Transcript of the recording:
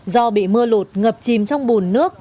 do bị mưa lụt ngập chìm trong bùn nước